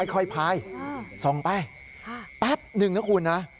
ค่อยพายส่องไปแป๊บหนึ่งนะคุณนะ